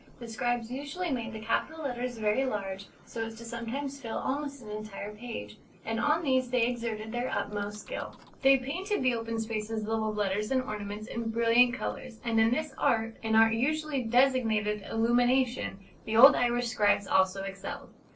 The scribes usually made the capital letters very large, so as sometimes to fill almost an entire page; and on these they exerted their utmost skill. They painted the open spaces of the letters and ornaments in brilliant colours: and in this art an art usually designated 'Illumination' the old Irish scribes also excelled.